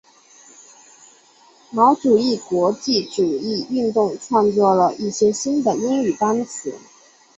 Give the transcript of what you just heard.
毛主义国际主义运动创作了一些新的英语单词。